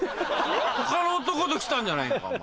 他の男と来たんじゃないんかお前。